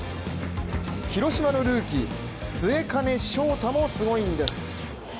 広島のルーキー末包昇大もすごいんです。